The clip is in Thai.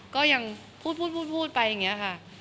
ก็ยังพูดพูดไปอย่างนี้ค่ะ